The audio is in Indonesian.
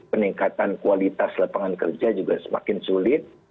peningkatan kualitas lapangan kerja juga semakin sulit